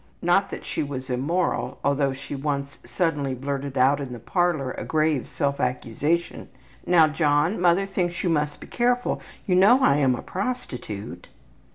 Not that she was immoral, although she once suddenly blurted out in the parlor a grave self accusation: ``Now, John, mother thinks you must be careful. You know I am a prostitute.''